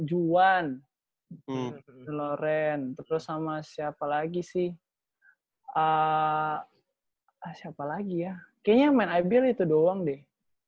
juan noren terus sama siapa lagi sih siapa lagi ya kayaknya main ibl itu doang deh